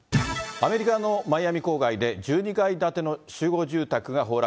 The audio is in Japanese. アメリカのマイアミ郊外で、１２階建ての集合住宅が崩落。